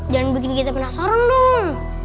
jangan begini kita penasaran dong